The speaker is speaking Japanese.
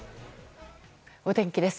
お天気です。